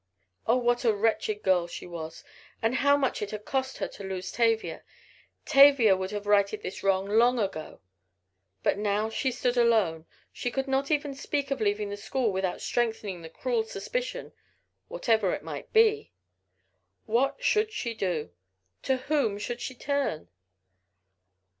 Oh, what a wretched girl she was! How much it had cost her to lose Tavia! Tavia would have righted this wrong long ago. But now she stood alone! She could not even speak of leaving the school without strengthening the cruel suspicion, whatever it might be. What would she do? To whom would she turn?